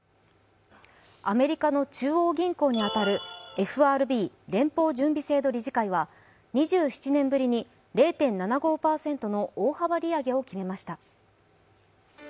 アメリカの中央銀行に当たるＦＲＢ＝連邦準備制度理事会は２７年ぶりに０．７５％の大幅利上げを決めました。